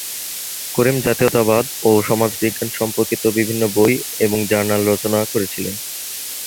করিম জাতীয়তাবাদ ও সমাজবিজ্ঞান সম্পর্কিত বিভিন্ন বই এবং জার্নাল রচনা করেছিলেন।